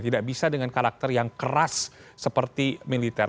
tidak bisa dengan karakter yang keras seperti militer